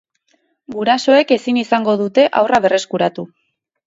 Gurasoek ezin izango dute haurra berreskuratu.